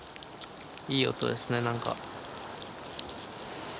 いい音ですね何か。